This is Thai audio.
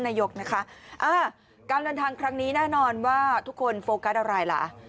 นายกนะคะการเดินทางครั้งนี้แน่นอนว่าทุกคนโฟกัสอะไรล่ะ